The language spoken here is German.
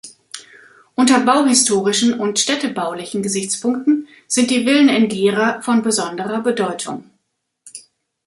Unter bauhistorischen und städtebaulichen Gesichtspunkten sind die Villen in Gera von besonderer Bedeutung.